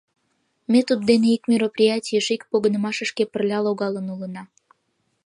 Ме туддене ик мероприятийыш, ик погынымашышке пырля логалын улына.